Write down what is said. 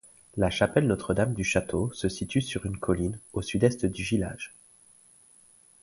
La chapelle Notre-Dame-du-Château se situe sur une colline, au sud-est du village.